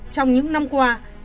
trong những năm qua